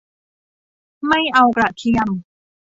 ไม่เอากระเทียม